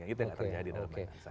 itu yang terjadi dalam bayangan saya